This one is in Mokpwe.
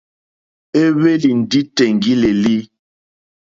Éhwélì ndí tèŋɡílǃélí.